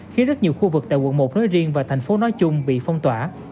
khiến rất nhiều khu vực tại quận một nói riêng và thành phố nói chung bị phong tỏa